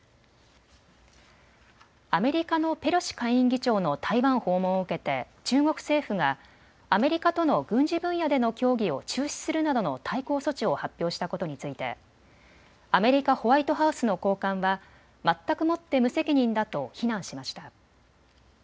アメリカのペロシ下院議長の台湾訪問を受けて中国政府がアメリカとの軍事分野での協議を中止するなどの対抗措置を発表したことについて、アメリカ・ホワイトハウスの高官は全くもって無責任だと非難しました。